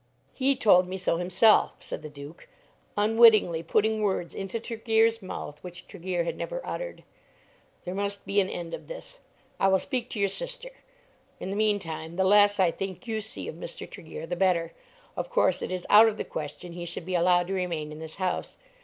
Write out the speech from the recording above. "He told me so himself," said the Duke, unwittingly putting words into Tregear's mouth which Tregear had never uttered. "There must be an end of this. I will speak to your sister. In the meantime, the less, I think, you see of Mr. Tregear the better. Of course it is out of the question he should be allowed to remain in this house.